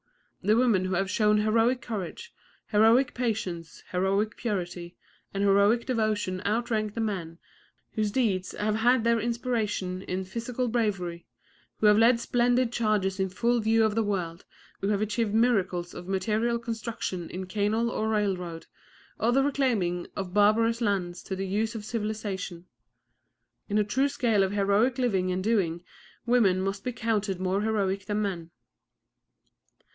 The women who have shown heroic courage, heroic patience, heroic purity and heroic devotion outrank the men whose deeds have had their inspiration in physical bravery, who have led splendid charges in full view of the world, who have achieved miracles of material construction in canal or railroad, or the reclaiming of barbarous lands to the uses of civilization. In a true scale of heroic living and doing women must be counted more heroic than men.